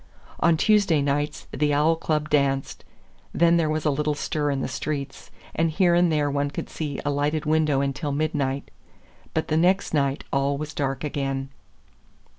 On Tuesday nights the Owl Club danced; then there was a little stir in the streets, and here and there one could see a lighted window until midnight. But the next night all was dark again.